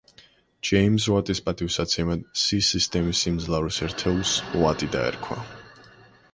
ჯეიმზ ვატის პატივსაცემად სი სისტემის სიმძლავრის ერთეულს ვატი დაერქვა.